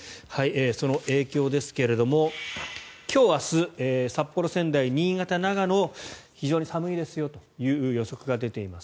その影響ですが、今日明日札幌、仙台、新潟、長野非常に寒いですよという予測が出ています。